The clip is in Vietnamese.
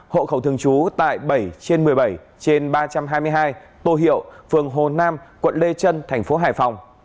hộ khẩu thường trú tại bảy trên một mươi bảy trên ba trăm hai mươi hai tô hiệu phường hồ nam quận lê trân thành phố hải phòng